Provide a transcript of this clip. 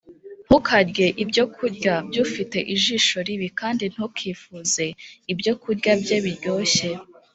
ntukarye ibyokurya by’ufite ijisho ribi, kandi ntukifuze ibyokurya bye biryoshye,